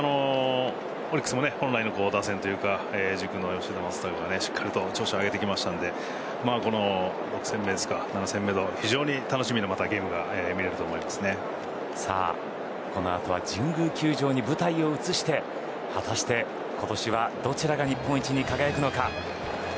オリックスも本来の打線というか主軸の吉田正尚がしっかり調子を上げてきたので６戦目、７戦目と楽しみなゲームがこのあとは神宮球場に舞台を移して果たして、今年はどちらが日本一に輝くか。